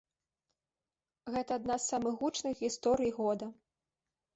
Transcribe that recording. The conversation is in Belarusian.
Гэта адна з самых гучных гісторый года.